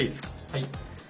はい。